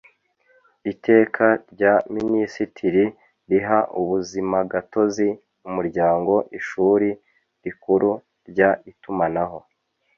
Iteka rya Minisitiri riha ubuzimagatozi umuryango Ishuri Rikuru ry Itumanaho